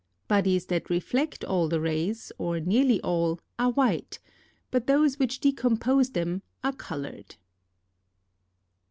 Bodies that reflect all the rays, or nearly all, are white, but those which decompose them, are coloured.